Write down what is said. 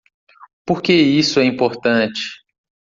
Por que isso é importante?